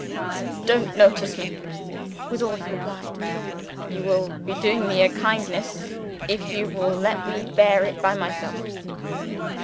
"Don't notice me," was all he replied. "You will be doing me a kindness, if you will let me bear it by myself."